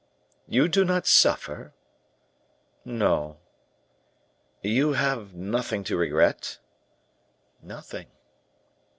"You do not suffer?" "No." "You have nothing to regret?" "Nothing."